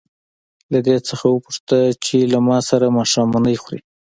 له دې څخه وپوښته چې له ما سره ماښامنۍ خوري.